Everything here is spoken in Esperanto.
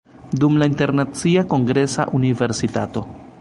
Dum la Internacia Kongresa Universitato.